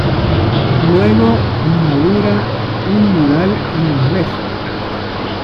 Luego inaugura un mural en el Rest.